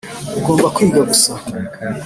ugomba kwiga gusa.